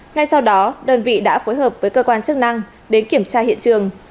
ngay sau đó đơn vị đã phối hợp với cơ quan chức năng đến kiểm tra hiện trường